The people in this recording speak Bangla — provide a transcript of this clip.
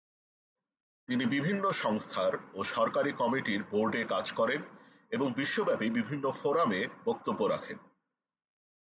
তিনি বিভিন্ন সংস্থার ও সরকারি কমিটির বোর্ডে কাজ করেন এবং বিশ্বব্যাপী বিভিন্ন ফোরামে বক্তব্য রাখেন।